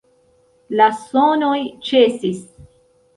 La sonoj ĉesis.